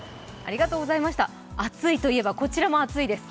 暑いといえば、こちらも熱いです。